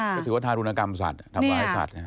ก็ถือว่าทารุณกรรมสัตว์ทำร้ายสัตว์